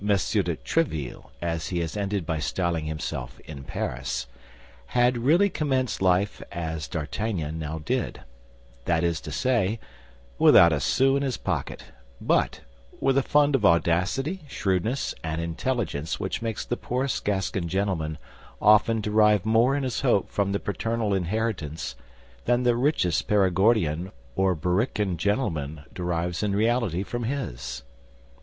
de Tréville, as he has ended by styling himself in Paris, had really commenced life as D'Artagnan now did; that is to say, without a sou in his pocket, but with a fund of audacity, shrewdness, and intelligence which makes the poorest Gascon gentleman often derive more in his hope from the paternal inheritance than the richest Perigordian or Berrichan gentleman derives in reality from his.